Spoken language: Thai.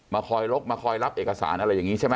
มาคอยรับเอกสารอะไรอย่างนี้ใช่มั้ย